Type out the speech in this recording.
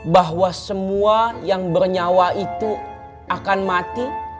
bahwa semua yang bernyawa itu akan mati